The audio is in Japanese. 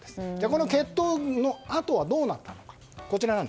この決闘のあとはどうなったのか。